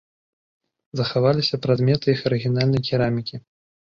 Захаваліся прадметы іх арыгінальнай керамікі.